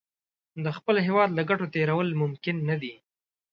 د خپل هېواد له ګټو تېرول ممکن نه دي.